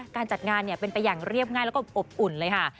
การจัดงานเป็นไปอย่างเรียบง่ายแล้วก็อบอุ่นเลยค่ะ